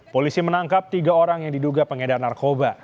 polisi menangkap tiga orang yang diduga pengedar narkoba